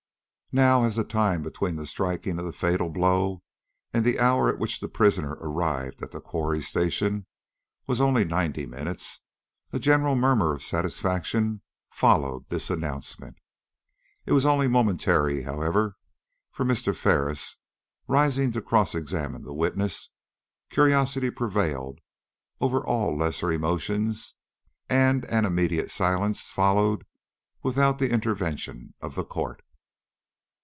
Now, as the time between the striking of the fatal blow and the hour at which the prisoner arrived at the Quarry Station was only ninety minutes, a general murmur of satisfaction followed this announcement. It was only momentary, however, for Mr. Ferris, rising to cross examine the witness, curiosity prevailed over all lesser emotions, and an immediate silence followed without the intervention of the Court.